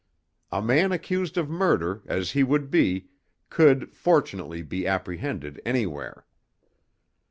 A man accused of murder, as he would be, could, fortunately, be apprehended anywhere.